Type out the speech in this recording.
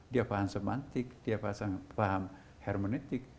dia paham semantik dia paham hermenetik